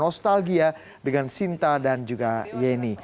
nostalgia dengan sinta dan juga yeni